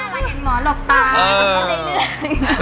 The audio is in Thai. ไม่เห็นหมอหลบตามันก็เลยอย่างงี้